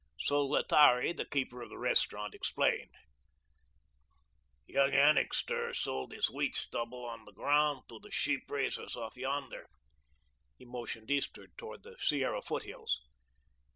Solotari, the keeper of the restaurant, explained: "Young Annixter sold his wheat stubble on the ground to the sheep raisers off yonder;" he motioned eastward toward the Sierra foothills.